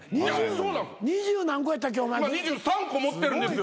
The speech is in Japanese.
二十何個やったっけ？